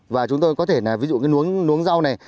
và chúng tôi có thể là ví dụ cái nống nuống rau này